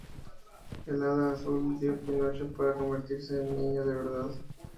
El Hada Azul dio Pinocho para convertirse en un niño de verdad.